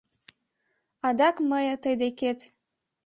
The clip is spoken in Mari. Адак мые тый декет